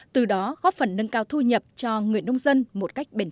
từ đó góp phần nâng cao thu nhập cho người nông dân một cách đúng